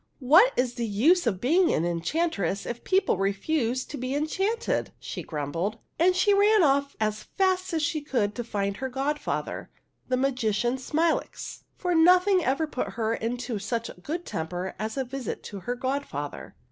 ''What is the use of being an enchantress if people refuse to be enchanted ?" she grumbled ; and she ran off as fast as she could to find her godfather, the magician Smilax, for nothing ever put her into such a good temper as a visit to her godfather.